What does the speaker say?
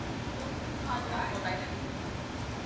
ওহ, ভালো!